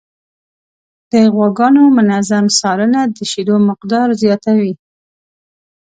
د غواګانو منظم څارنه د شیدو مقدار زیاتوي.